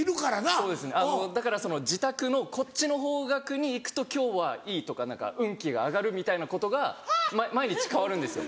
そうですねだから自宅のこっちの方角に行くと今日はいいとか運気が上がるみたいなことが毎日変わるんですよ。